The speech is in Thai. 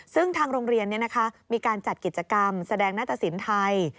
ซึ่งทางโรงเรียนมีการจัดกิจกรรมแสดงหน้าตะสินไทย